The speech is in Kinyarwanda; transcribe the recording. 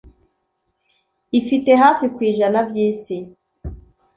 Ifite hafi ku ijana by'isi,